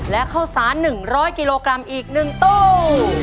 และข้าวสาร๑๐๐กิโลกรัมอีก๑ตู้